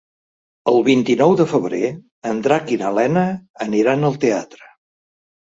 El vint-i-nou de febrer en Drac i na Lena aniran al teatre.